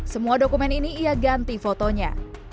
semua dokumen ini ia ganti fotonya